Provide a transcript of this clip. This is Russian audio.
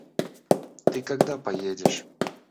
Ты когда поедешь?